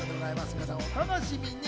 皆さんお楽しみに！